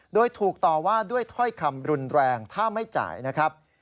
โดยถูกต่อว่าด้วยถ้อยคำรุนแรงถ้าไม่จ่ายนะครับ